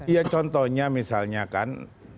ya contohnya misalnya kan